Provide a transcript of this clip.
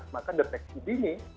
maka deteksi dini